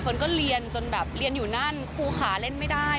คนก็เรียนจนแบบเรียนอยู่นั่นครูขาเล่นไม่ได้